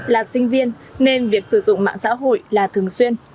là sinh viên nên việc sử dụng mạng xã hội là thường xuyên